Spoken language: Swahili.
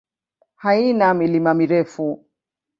Haina milima mirefu.